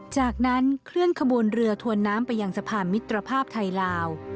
จากนั้นเคลื่อนขบวนเรือถวนน้ำไปยังสะพานมิตรภาพไทยลาว